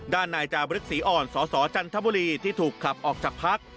ด้านนายจาบรึกศรีอ่อนสสจันทบุรีที่ถูกขับออกจากพัก